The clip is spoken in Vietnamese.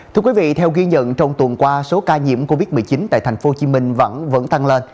thưa quý vị theo ghi nhận trong tuần qua số ca nhiễm covid một mươi chín tại tp hcm vẫn tăng lên